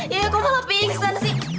ya ya kok lo lebih instansi